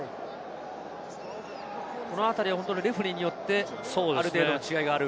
このあたりはレフェリーによってある程度違いがある。